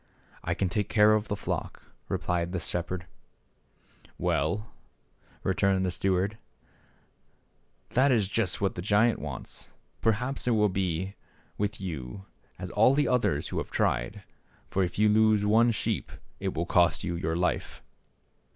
" 1 can take care of the flock," replied the shepherd. 70 THE SHEPHEBD BOY. "Well," returned the steward, "that is just what the giant wants, but perhaps it will be with you as with all others who have tried, for, if you lose one sheep, it will cost you your life."